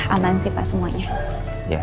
aman sih pak semuanya